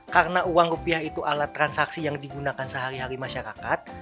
karena uang rupiah itu alat transaksi yang digunakan sehari hari masyarakat